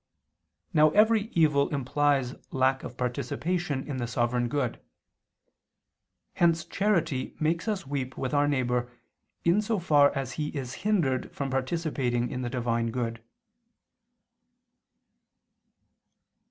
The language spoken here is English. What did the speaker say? Now every evil implies lack of participation in the sovereign good: hence charity makes us weep with our neighbor in so far as he is hindered from participating in the Divine good.